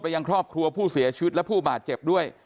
ยังครอบครัวผู้เสียชีวิตและผู้บาดเจ็บด้วย